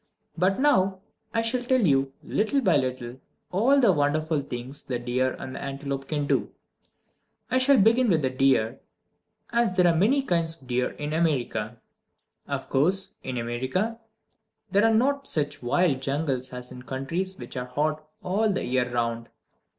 But now I shall tell you, little by little, all the wonderful things the deer and the antelope can do. I shall begin with the deer, as there are many kinds of deer in America. Of course, in America there are not such wild jungles as in countries which are hot all the year round.